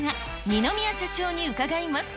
二宮社長に伺います。